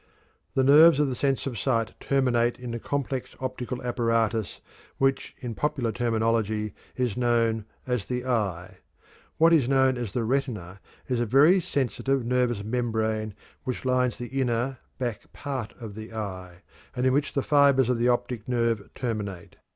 The nerves of the sense of sight terminate in the complex optical apparatus which in popular terminology is known as "the eye." What is known as "the retina" is a very sensitive nervous membrane which lines the inner, back part of the eye, and in which the fibers of the optic nerve terminate.